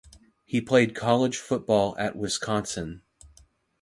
He played college football at Wisconsin.